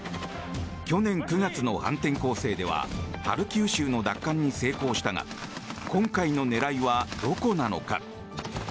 去年９月の反転攻勢ではハルキウ州の奪還に成功したが今回の狙いはどこなのか。